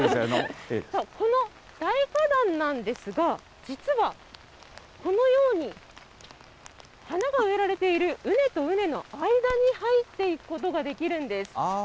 この大花壇なんですが、実は、このように、花が植えられている、うねとうねの間に入っていくことができるんです。